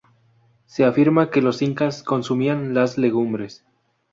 Se afirma que los Incas consumían las legumbres.